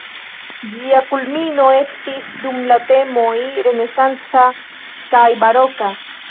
Ĝia kulmino estis dum la temoj renesanca kaj baroka.